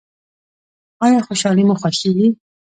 ایا خوشحالي مو خوښیږي؟